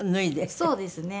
そうですね。